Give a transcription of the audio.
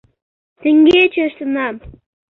— Теҥгече ыштенам.